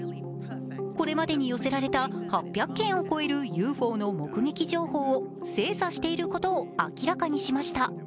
これまでに寄せられた８００件を超えるＵＦＯの目撃情報を精査していることを明らかにしました。